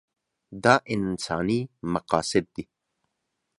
دا انساني مقاصد ده.